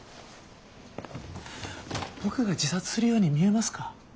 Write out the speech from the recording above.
僕が自殺するように見えますか？